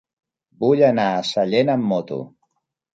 Vull anar a Sallent amb moto.